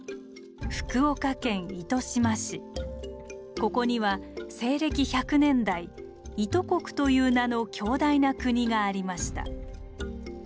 ここには西暦１００年代「伊都国」という名の強大な国がありました。